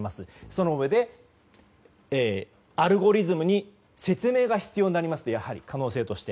そのうえでアルゴリズムに説明が必要になる可能性があると。